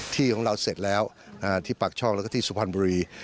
ที่ของเราเสร็จแล้วที่ปากช่องแล้วก็ที่สุพรรณบุรี